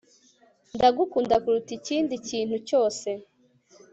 ndagukunda kuruta ikindi kintu cyose